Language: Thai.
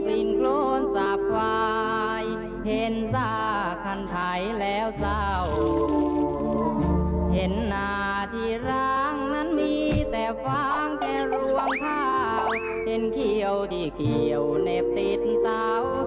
เห็นเขี้ยวที่เขี้ยวเนบติดเศร้า